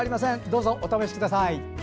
どうぞお試しください。